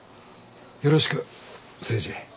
よろしく誠治。